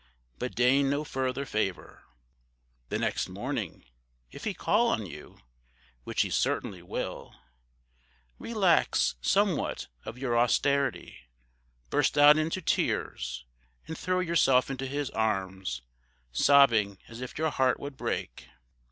but deign no further favor. The next morning, if he call on you which he certainly will, relax somewhat of your austerity burst out into tears, and throw yourself into his arms, sobbing as if your heart would break.